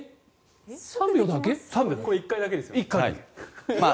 １回だけですよね。